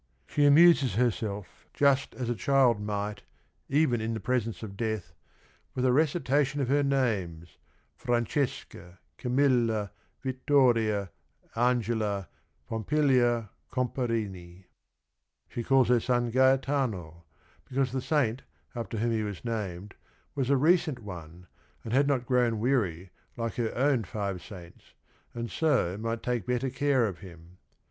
She amuses herself, just as POMPILIA 123 a child might, even in the presence of death, with the recitation of her names, "Francesca Camilla Vittoria Angela Pompilia Comparini." She calls her son Gaetano, because the saint after whom he was named was a recent one and had not grown weary like her own five saints, and so might take better care of him.